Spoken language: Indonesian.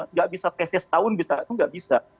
nggak bisa tesnya setahun bisa itu nggak bisa